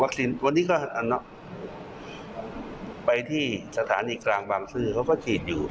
วันนี้ก็ไปที่สถานีกลางบางซื่อเขาก็ฉีดอยู่